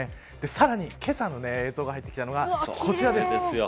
さらに、けさの映像が入ってきたのが、こちらです。